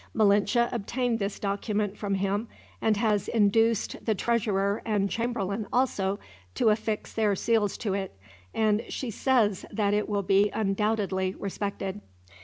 Malinche obtained this document from him, and has induced the treasurer and chamberlain, also, to affix their seals to it; and she says that it will be undoubtedly respected.